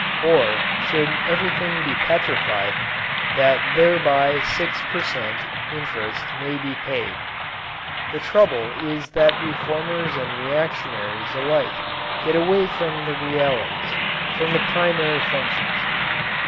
Or, should everything be petrified, that thereby six per cent, interest may be paid. The trouble is that reformers and reactionaries alike get away from the realities from the primary functions.